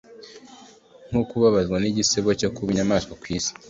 no kubabazwa n’igisebo cyo kuba nk’inyamaswa ku isi